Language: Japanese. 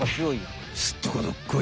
すっとこどっこい。